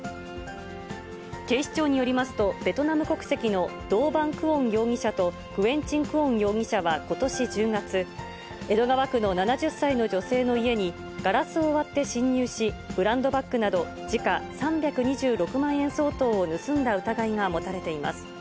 警視庁によりますと、ベトナム国籍のドー・バン・クオン容疑者とグエン・チン・クオン容疑者はことし１０月、江戸川区の７０歳の女性の家にガラスを割って侵入し、ブランドバッグなど、時価３２６万円相当を盗んだ疑いが持たれています。